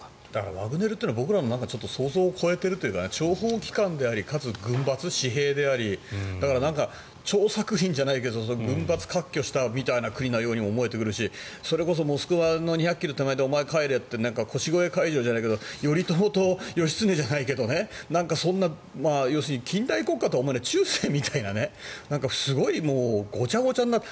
ワグネルというのは僕らの想像を超えているというか諜報機関でありかつ軍閥、私兵でありだから軍閥割拠したみたいな国にも思えてくるしそれこそモスクワの２００ｋｍ手前でお前、帰れって頼朝と義経じゃないけど近代国家じゃなくて中世みたいなごちゃごちゃになって。